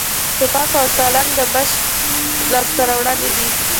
ټوپک او تلتک د بشر لاسته راوړنې دي